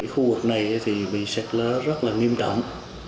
khu vực này bị sạch lỡ rất nghiêm trọng